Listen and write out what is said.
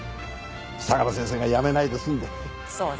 相良先生が辞めないで済んで。